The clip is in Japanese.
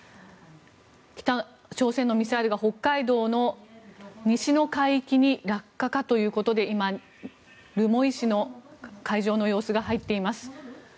北朝鮮のミサイルが北海道の西の海域に落下かということで今、留萌市の海上の様子が入っています。